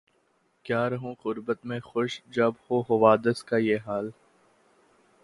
کیا رہوں غربت میں خوش جب ہو حوادث کا یہ حال